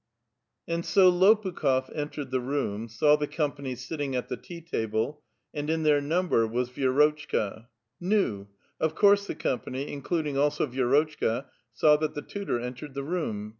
Anp so Lo|)ukh<')f entered the room, saw the company sit tiiiir at the tea tahle, and in their number was Vi6rotchka; im ! of course the cojnpany, including also Vi6rotchka, saw that the tutor entered the room.